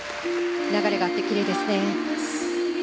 流れがあってきれいですね。